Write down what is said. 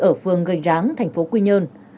ở phường gênh ráng thành phố quy nhơn